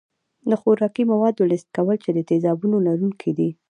د خوراکي موادو لست کول چې د تیزابونو لرونکي دي.